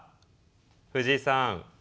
藤井さん。